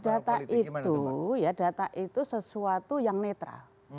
data itu ya data itu sesuatu yang netral